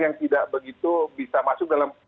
yang tidak begitu bisa masuk dalam